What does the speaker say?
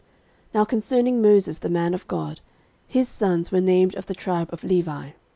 13:023:014 Now concerning Moses the man of God, his sons were named of the tribe of Levi.